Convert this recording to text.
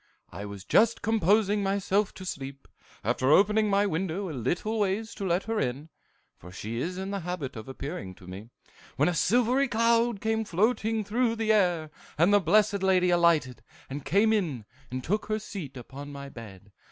I was just composing myself to sleep, after opening my window a little ways to let her in, for she is in the habit of appearing to me, when a silvery cloud came floating through the air, and the Blessed Lady alighted, came in, and took her seat upon my bed.